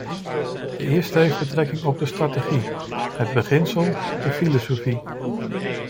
De eerste heeft betrekking op de strategie, het beginsel, de filosofie.